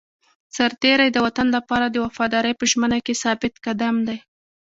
سرتېری د وطن لپاره د وفادارۍ په ژمنه کې ثابت قدم دی.